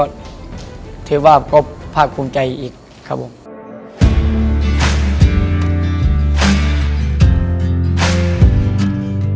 ผมไม่ค่อยกลัวเลยครับเพราะว่าไม่ว่าจะเป็นใครครับก็จะทำให้เต็มที่ไม่ว่าจะเป็นคนไทยหรือว่าเป็นคนฝรั่ง